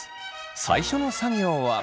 最初の作業は。